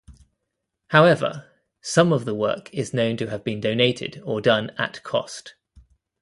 However, some of the work is known to have been donated or done at-cost.